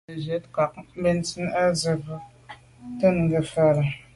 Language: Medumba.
Mə́ cwɛ̌d kwâ’ ncâ bə̀ncìn zə̄ bù bə̂ ntɔ́nə́ ngə́ fâ’.